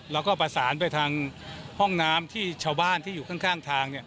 แล้วก็ประสานไปทางห้องน้ำที่ชาวบ้านที่อยู่ข้างทาง